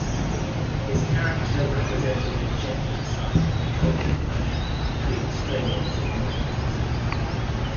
His character represented the gentler side of the culture-clash between Australians and Americans.